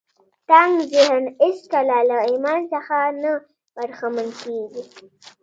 تنګ ذهن هېڅکله له ايمان څخه نه برخمن کېږي.